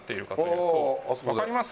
分かります？